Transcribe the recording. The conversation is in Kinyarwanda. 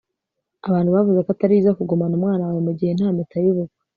abantu bavuze ko atari byiza kugumana umwana wawe mugihe nta mpeta yubukwe